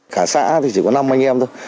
cả xã thì chỉ có năm anh em thôi